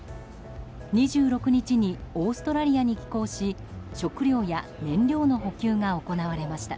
２６日にオーストラリアに寄港し食料や燃料の補給が行われました。